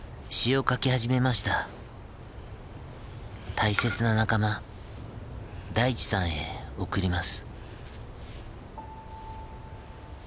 大切な仲間大地さんへ贈ります。